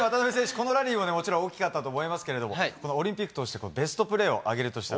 このラリーはもちろん大きかったと思いますけどオリンピック通してのベストプレーは？